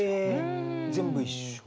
全部一緒。